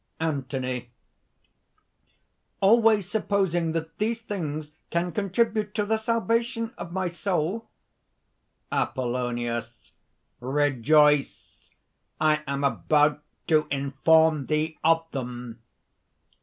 ANTHONY. "Always supposing that these things can contribute to the salvation of my soul." APOLLONIUS. "Rejoice! I am about to inform thee of them!"